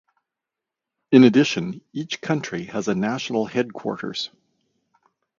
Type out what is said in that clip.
In addition, each country has a National Headquarters.